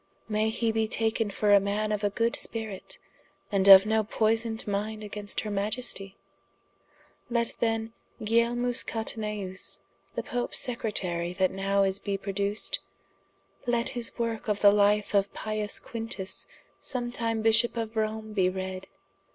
May hee be taken for a man of a good spirit, & of no poysoned minde against her Maiestie? Let then Guilielmus Cataneus, the Popes Secretarie that now is be produced: let his worke of the life of Pius Quintus sometime bishop of Rome be read.